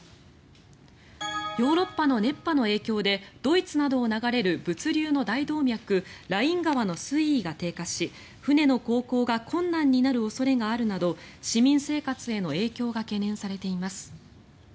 ヨーロッパの熱波の影響でドイツなどを流れる物流の大動脈ライン川の水位が低下し船の航行が困難になる恐れがあるなど市民生活への影響が懸念されています。